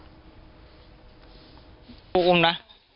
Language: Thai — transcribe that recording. ชมพู่อุ้มนะ